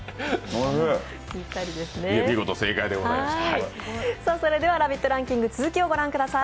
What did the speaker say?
見事、正解でございました。